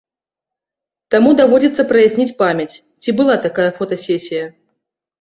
Таму даводзіцца праясніць памяць, ці была такая фотасесія.